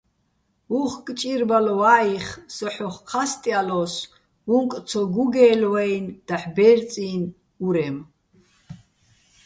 უ̂ხკ ჭირბალო̆ ვა́იხ, სო ჰ̦ოხ ჴასტჲალოსო̆, უ̂ნკ ცო გუგე́ლო̆ ვაჲნი̆ დაჰ̦ ბე́რწინი̆ ურემ.